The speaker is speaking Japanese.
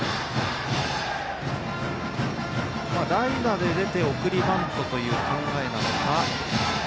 代打で出て送りバントという考えなのか。